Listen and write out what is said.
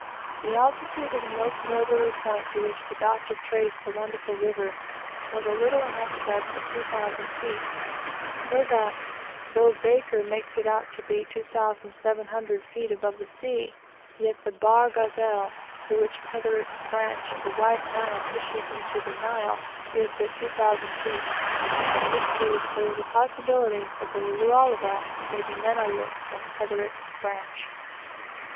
The altitude of the most northerly point to which the Doctor traced the wonderful river was a little in excess of 2,000 feet; so that, though Baker makes out his lake to be 2,700 feet above the sea, yet the Bahr Ghazal, through which Petherick's branch of the White Nile issues into the Nile, is but 2,000 feet; in which case there is a possibility that the Lualaba may be none other than Petherick's branch.